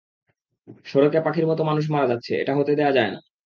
সড়কে পাখির মতো মানুষ মারা যাচ্ছে, এটা হতে দেওয়া যায় না।